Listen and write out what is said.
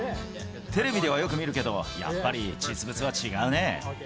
テレビではよく見るけど、やっぱり実物は違うね。